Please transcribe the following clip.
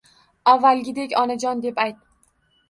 Avvalgidek “onajon” deb ayt